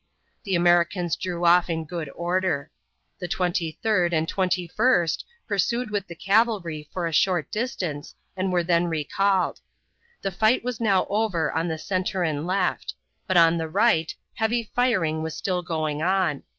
The Americans drew off in good order. The Twenty third and Twenty first pursued with the cavalry for a short distance and were then recalled. The fight was now over on the center and left, but on the right heavy firing was still going on.